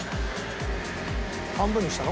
半分にしたの？